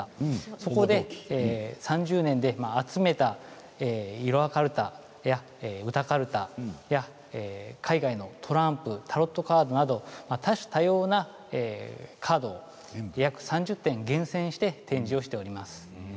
そこで３０年で集めたいろはカルタや歌カルタ、海外のトランプタロットカードなど多種多様なカード３０点を厳選して展示しています。